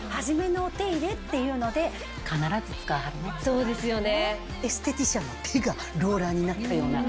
そうですよね。